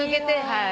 はい。